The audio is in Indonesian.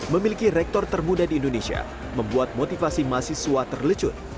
memiliki rektor termuda di indonesia membuat motivasi mahasiswa terlecut